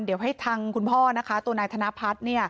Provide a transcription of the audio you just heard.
เดี๋ยวให้ทางคุณพ่อนะคะตัวนายธนพัฒน์